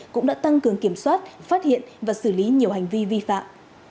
cũng đã tăng cường kiểm soát phát hiện và xử lý nhiều hành vi vi phạm